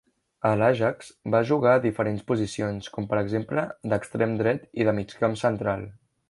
A l"Ajax va jugar a diferents posicions, com per exemple d"extrem dret i de migcamp central.